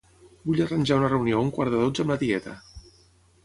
Vull arranjar una reunió a un quart de dotze amb la tieta.